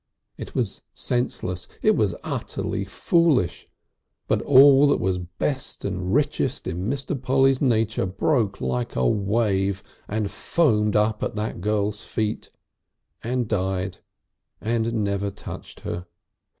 It was senseless, it was utterly foolish, but all that was best and richest in Mr. Polly's nature broke like a wave and foamed up at that girl's feet, and died, and never touched her.